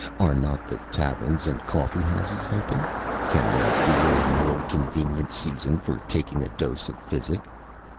Are not the taverns and coffee houses open? Can there be a more convenient season for taking a dose of physic?